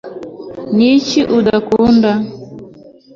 niki udakunda